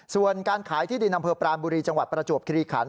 ส่วนการขายที่ดินอำเภอปรานบุรีจังหวัดประจวบคิริขัน